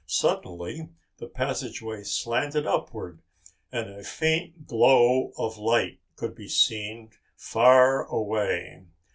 Suddenly the passageway slanted upward and a faint glow of light could be seen far away.